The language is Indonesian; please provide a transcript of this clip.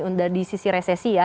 udah di sisi resesi ya